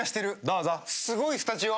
すごいスタジオ。